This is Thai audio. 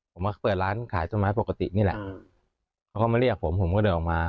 ผมมาเปิดร้านขายต้นไม้ปกตินี่แหละเขาก็มาเรียกผมผมก็เดินออกมา